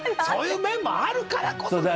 そういう面もあるからこそ。